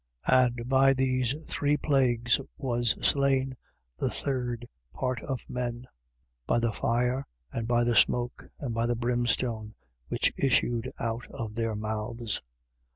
9:18. And by these three plagues was slain the third part of men, by the fire and by the smoke and by the brimstone which issued out of their mouths.